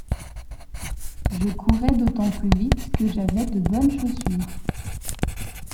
Je courrais d'autant plus vite que j'avais de bonnes chaussures.